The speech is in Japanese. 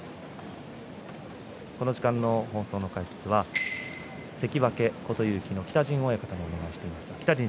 この時間の放送の解説は関脇琴勇輝の北陣親方にお願いしています。